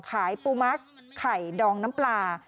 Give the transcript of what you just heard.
ขายปูมักไข่ดองน้ำปลา